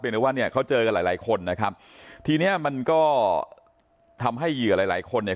ได้ว่าเนี่ยเขาเจอกันหลายหลายคนนะครับทีเนี้ยมันก็ทำให้เหยื่อหลายหลายคนเนี่ย